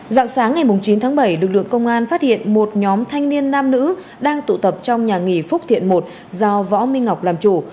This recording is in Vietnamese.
dạng sáng ngày chín tháng bảy lực lượng công an phát hiện một nhóm thanh niên nam nữ đang tụ tập trong nhà nghỉ phúc thiện một do võ minh ngọc làm chủ